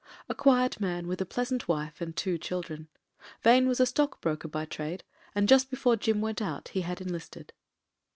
A quiet man, with a pleasant wife and two children. Vane was a stock broker by trade : and just before Jim went out he had enlisted.